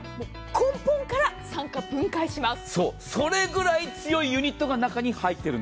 根本から酸化分解します。